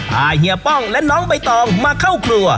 เฮียป้องและน้องใบตองมาเข้าครัว